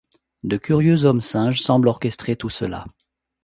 De curieux hommes-singes semblent orchestrer tout cela.